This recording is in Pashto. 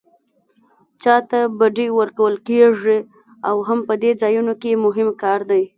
چاته بډې ورکول کېږي دا هم په دې ځایونو کې مهم کار دی.